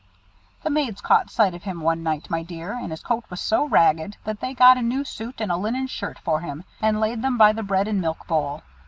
"The maids caught sight of him one night, my dear, and his coat was so ragged, that they got a new suit, and a linen shirt for him, and laid them by the bread and milk bowl.